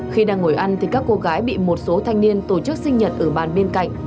khi đang ngồi ăn thì các cô gái bị một số thanh niên tổ chức sinh nhật ở bàn bên cạnh